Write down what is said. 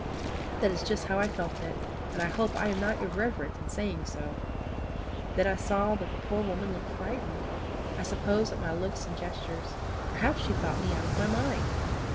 That is just how I felt it, and I hope I am not irreverent in saying so. Then I saw that the poor woman looked frightened I suppose at my looks and gestures perhaps she thought me out of my mind.